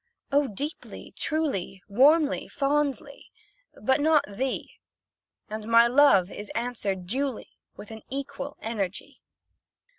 Oh, deeply truly Warmly fondly but not thee; And my love is answered duly, With an equal energy.